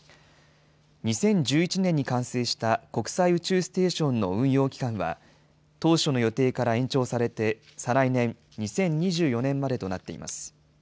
２０１１年に完成した国際宇宙ステーションの運用期間は当初の予定から延長されて、再来年・２０２４年までとなっています。